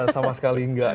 sama sekali enggak